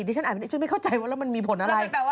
ดิฉันไม่เข้าใจว่ามันมีก็เลยมีผลอะไร